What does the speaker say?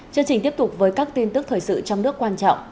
chương trình tiếp tục với các tin tức thời sự trong nước quan trọng